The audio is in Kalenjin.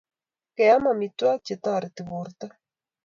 Keam amitwogik che toreti porto